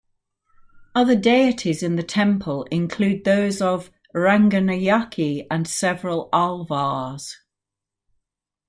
Other deities in the temple include those of Ranganayaki and several Alvars.